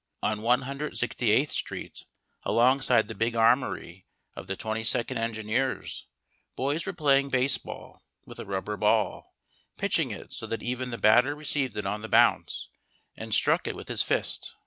On 168th Street alongside the big armoury of the Twenty second Engineers boys were playing baseball, with a rubber ball, pitching it so that the batter received it on the bounce and struck it with his fist.